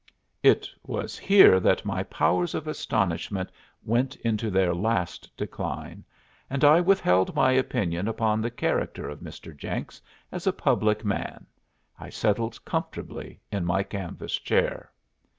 It was here that my powers of astonishment went into their last decline, and I withheld my opinion upon the character of Mr. Jenks as a public man. I settled comfortably in my canvas chair.